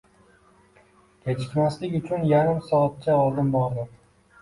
Kechikmaslik uchun yarim soatcha oldin bordim.